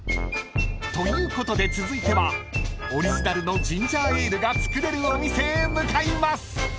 ［ということで続いてはオリジナルのジンジャーエールが作れるお店へ向かいます］